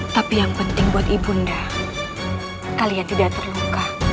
tapi yang penting buat ibu nda kalian tidak terluka